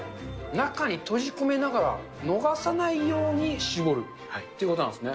中に閉じ込めながら、逃さないように絞るっていうことなんですね。